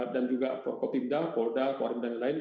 dan juga kopimda polda kuarim dan lain lain